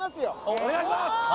お願いします